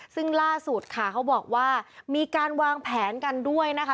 ซึ่งล่าสุดค่ะเขาบอกว่ามีการวางแผนกันด้วยนะคะ